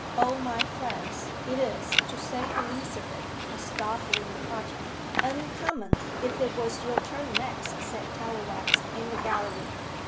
"Oh, my friends, it is, to say the least of it, a startling project." "Uncommon, if it was your turn next," said Tallowax in the gallery.